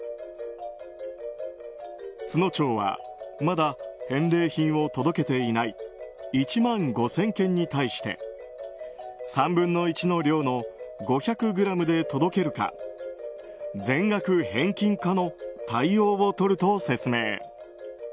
都農町はまだ返礼品を届けていない１万５０００件に対して３分の１の量の５００ｇで届けるか全額返金かの対応をとると説明。